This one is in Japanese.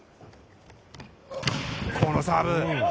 このサーブ。